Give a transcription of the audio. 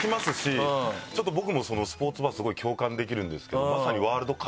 僕もスポーツバースゴい共感できるんですけど。